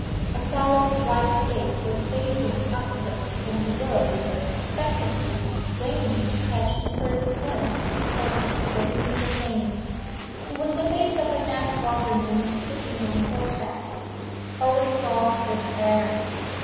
A solemn white face was gazing upwards from the road, expectantly straining to catch the first glimpse of a person within the panes. It was the face of a Knapwater man sitting on horseback. Owen saw his errand.